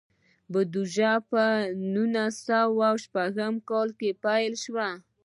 بودیجه په نولس سوه شپږ کې پیل شوه.